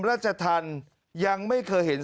ราชธรรมยังไม่เคยเห็น